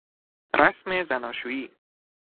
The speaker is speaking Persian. رسم زناشویی